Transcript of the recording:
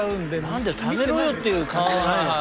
何だよためろよっていう感じじゃないの？